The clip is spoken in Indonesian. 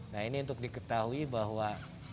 nah ini untuk diketahui bahwa